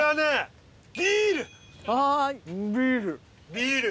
ビール！